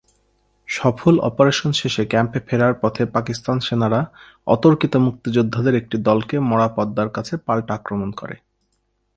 সফল অপারেশন শেষে ক্যাম্পে ফেরার পথে পাকিস্তান সেনারা অতর্কিতে মুক্তিযোদ্ধাদের একটি দলকে মরা পদ্মার কাছে পাল্টা আক্রমণ করে।